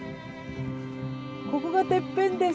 ここがてっぺんです。